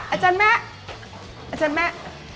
อาจารย์แม่อาจารย์แม่